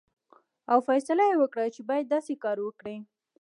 او فیصله یې وکړه چې باید داسې کار وکړي.